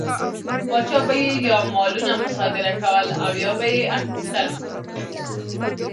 پاچا به یې یا مالونه مصادره کول او یا به یې اخیستل.